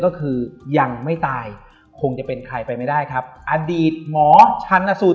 ก็คือยังไม่ตายคงจะเป็นใครไปไม่ได้ครับอดีตหมอชันสูตร